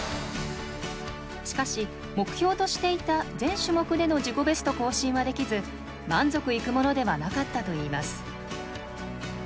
しかし目標としていた全種目での自己ベスト更新はできず満足いくものではなかったといいます。